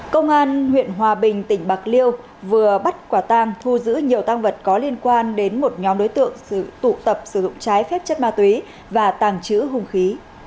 công an huyện hòa bình tỉnh bạc liêu vừa bắt quả tang thu giữ nhiều tăng vật có liên quan đến một nhóm đối tượng tụ tập sử dụng trái phép chất ma túy và tàng trữ hung khí